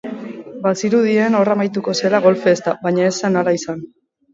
Bazirudien hor amaituko zela gol festa, baina ez zen ala izan.